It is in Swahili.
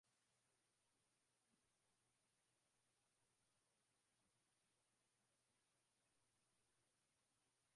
ya mifugo Hivi majuzi Wamasai wamekuwa wakitegemea vyakula kutoka maeneo mengine kama vile unga